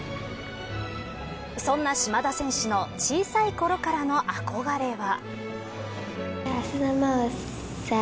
そんな島田選手の小さいころからの憧れは。